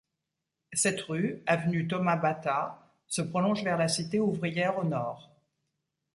Cette rue, Avenue Thomas Bata, se prolonge vers la cité ouvrière au nord.